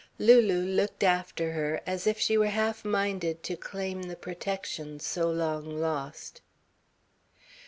Lulu looked after her, as if she were half minded to claim the protection so long lost.